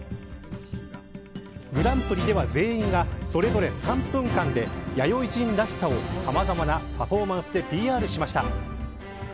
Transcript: グランプリでは全員がそれぞれ３分間で弥生人らしさをさまざまなパフォーマンスでＰＲしました。